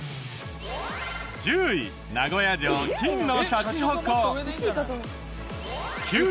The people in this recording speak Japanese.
１０位名古屋城金のしゃちほこ。